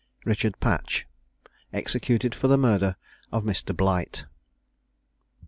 RICHARD PATCH. EXECUTED FOR THE MURDER OF MR. BLIGHT.